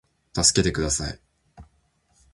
たすけてください